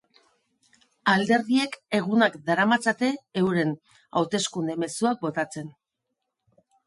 Alderdiek egunak daramatzate euren hauteskunde mezuak botatzen.